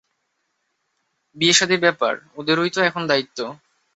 বিয়েশাদির ব্যাপার, ওদেরই তো এখন দায়িত্ব।